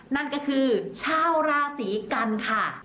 นั่นก็คือชาวราศีกันค่ะ